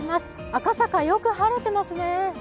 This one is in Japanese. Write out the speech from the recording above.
赤坂、よく晴れてますね。